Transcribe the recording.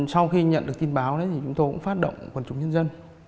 sau khi nhận được tin báo thì chúng tôi cũng phát động quần chúng nhân dân